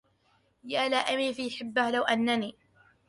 يا لائمي في حبه لو أنني